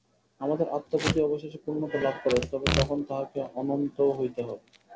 আমাদের আত্মা যদি অবশেষে পূর্ণতা লাভ করে, তবে তখন তাহাকে অনন্তও হইতে হইবে।